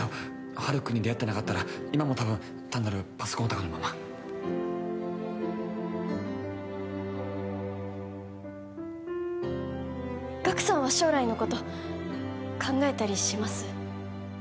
ハル君に出会ってなかったら今も多分単なるパソコンオタクのままガクさんは将来のこと考えたりします？